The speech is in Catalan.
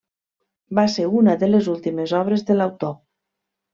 Va ser una de les últimes obres de l'autor.